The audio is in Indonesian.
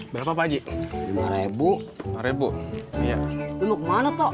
berapa pakcik lima ribu seribu iya